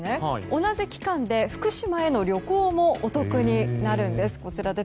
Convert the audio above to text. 同じ期間で福島への旅行もお得になります。